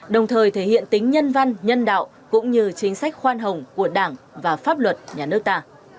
đồng thời thể hiện tính nhân văn nhân đạo cũng như chính sách khoan hồng của đảng và pháp luật nhà nước ta